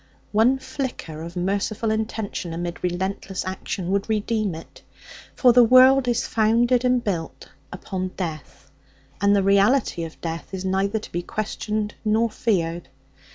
One flicker of merciful intention amid relentless action would redeem it. For the world is founded and built up on death, and the reality of death is neither to be questioned nor feared.